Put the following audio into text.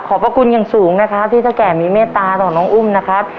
พระคุณอย่างสูงนะครับที่เท่าแก่มีเมตตาต่อน้องอุ้มนะครับ